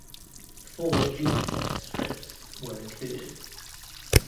Four jukebox strips were included.